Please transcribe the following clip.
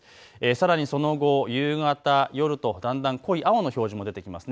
さらにその後、夕方、夜とだんだん濃い青の表示になってきます。